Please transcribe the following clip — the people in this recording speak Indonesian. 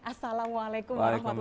assalamualaikum wr wb